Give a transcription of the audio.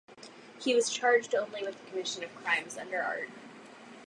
He was charged only with the commission of crimes under Art.